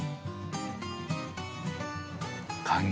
感激。